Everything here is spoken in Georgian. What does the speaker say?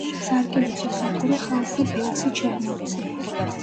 სარკინიგზო სადგური ხაზზე ბელცი—ჩერნოვცი.